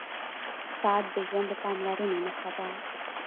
• ساعت د ژوند د پاملرنې نښه ده.